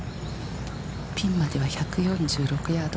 ピンまでは１４６ヤード。